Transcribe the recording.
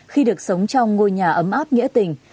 khi được sống trong ngôi nhà ấm áp nghĩa tình